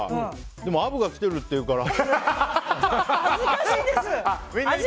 でもアブが来てるって言うから。